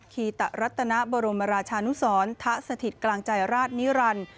คีตะรัตนบรมราชานุสรทะสถิตกลางใจราชนิรันดิ์